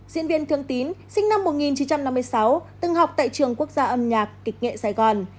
diễn viên thương tín sinh năm một nghìn chín trăm năm mươi sáu từng học tại trường quốc gia âm nhạc kịch nghệ sài gòn